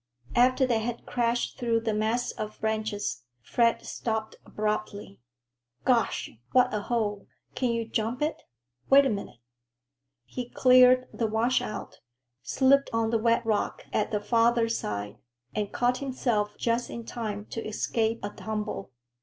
After they had crashed through the mass of branches, Fred stopped abruptly. "Gosh, what a hole! Can you jump it? Wait a minute." He cleared the washout, slipped on the wet rock at the farther side, and caught himself just in time to escape a tumble.